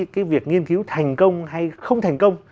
cái việc nghiên cứu thành công hay không thành công